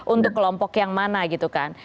untuk kelompok yang mana gitu kan